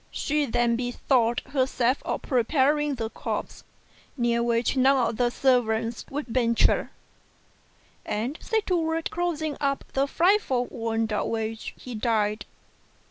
She then bethought herself of preparing the corpse, near which none of the servants would venture ; and set to work to close up the frightful wound of which he died.